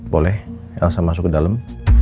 boleh elsa masuk ke dalam